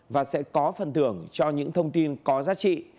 và sẽ có phần thưởng cho những thông tin có giá trị